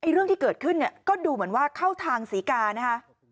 เรื่องที่เกิดขึ้นก็ดูเหมือนว่าเข้าทางสีกานะ